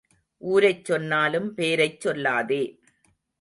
ஊரைச் சொன்னாலும் பேரைச் சொல்லாதே.